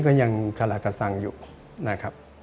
ก็ยังคลากสังอยู่นะครับ